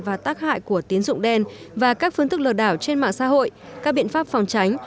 và tác hại của tín dụng đen và các phương thức lừa đảo trên mạng xã hội các biện pháp phòng tránh